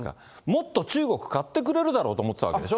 もっと中国買ってくれるだろうと思ってたわけでしょ。